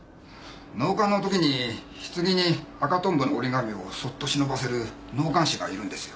納棺のときに棺に赤トンボの折り紙をそっと忍ばせる納棺師がいるんですよ。